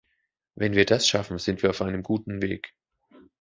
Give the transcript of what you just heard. Wenn wir das schaffen, sind wir auf einem guten Weg!